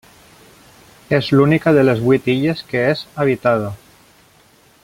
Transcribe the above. És l'única de les vuit illes que és habitada.